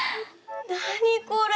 何これ！